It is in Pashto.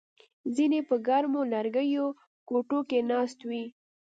ځینې په ګرمو لرګیو کوټو کې ناست وي